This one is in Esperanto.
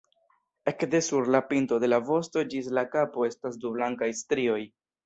Ekde sur la pinto de la vosto ĝis la kapo estas du blankaj strioj.